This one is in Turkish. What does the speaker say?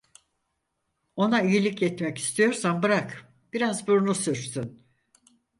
Ona iyilik etmek istiyorsan bırak biraz burnu sürtsün…